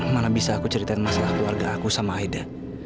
mana bisa aku ceritain masalah keluarga aku sama aida